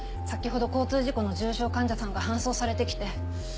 先ほど交通事故の重傷患者さんが搬送されてきて。